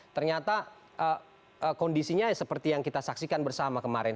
ternyata kondisinya seperti yang kita saksikan bersama kemarin